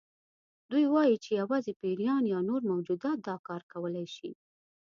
دوی وایي چې یوازې پیریان یا نور موجودات دا کار کولی شي.